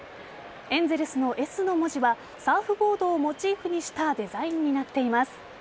エンゼルスのＳの文字はサーフボードをモチーフにしたデザインになっています。